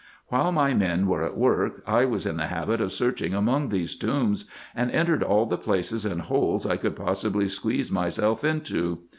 While my men were at work, I was in the habit of searching among these tombs, and entered all the places and holes I covdd possibly squeeze myself into.